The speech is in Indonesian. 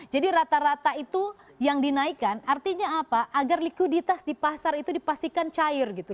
jadi rata rata itu yang dinaikkan artinya apa agar likuiditas di pasar itu dipastikan cair gitu